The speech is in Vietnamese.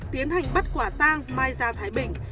tiến hành bắt quả tang mai ra thái bình